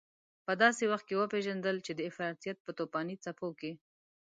په داسې وخت کې وپېژندل چې د افراطيت په توپاني څپو کې.